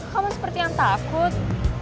kamu seperti yang takut